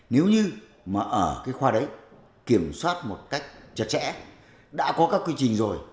nếu như mà ở cái khoa đấy kiểm soát một cách chặt chẽ đã có các quy trình rồi